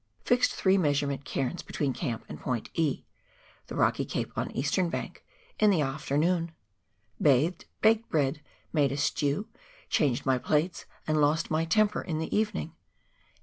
Fixed three measurement cairns between camp and point E. (the rocky cape on eastern bank) in the afternoon. Bathed, baked bread, made a stew, changed my plates and lost my temper in the evening